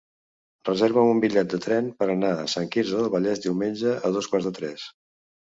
Reserva'm un bitllet de tren per anar a Sant Quirze del Vallès diumenge a dos quarts de tres.